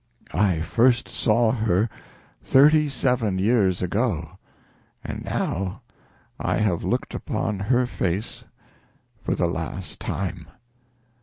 I first saw her thirty seven years ago, and now I have looked upon her face for the last time....